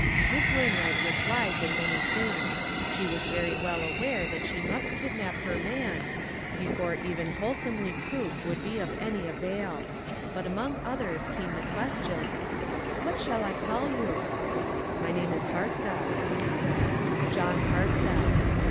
Miss Wainwright was wise in many things; she was very well aware that she must kidnap her man, before even wholesome re proof would be of any avail. But among others came the question: "What shall I call you?" " My name is Hartzell," he said, " John Hartzell."